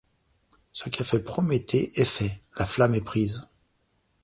Ce qu’a fait Prométhée est fait ; la flamme est prise ;